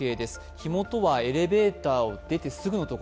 火元はエレベーターを出てすぐの所